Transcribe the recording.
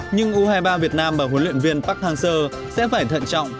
nhưng u hai mươi ba việt nam và huấn luyện viên park hang seo sẽ phải thận trọng